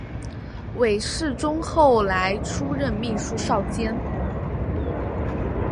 韦士宗后来出任秘书少监。